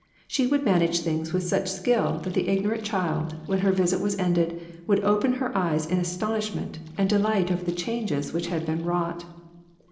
She would manage things with such skill that the ignorant child, when her visit was ended, would open her eyes in astonish ment and delight over the changes which had been wrought.